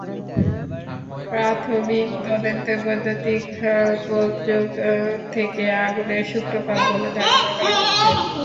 প্রাথমিক তদন্তে বৈদ্যুতিক গোলযোগ থেকে আগুনের সূত্রপাত বলে ধারণা করা হচ্ছে।